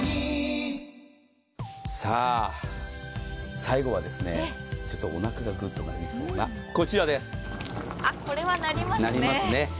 最後はちょっとお腹がぐっと鳴りそうなこれは鳴りますね。